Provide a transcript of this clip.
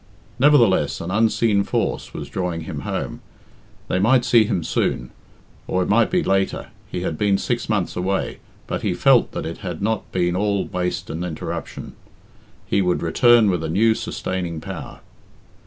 Nevertheless, an unseen force was drawing him home they might see him soon, or it might be later he had been six months away, but he felt that it had not been all waste and interruption he would return with a new sustaining power.